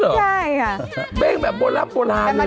มันติดคุกออกไปออกมาได้สองเดือน